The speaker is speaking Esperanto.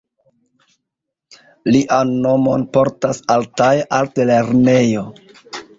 Lian nomon portas altaja altlernejo.